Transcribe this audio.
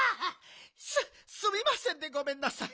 すっすみませんでごめんなさい。